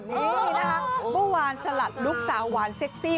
นี่นะคะเมื่อวานสลัดลูกสาวหวานเซ็กซี่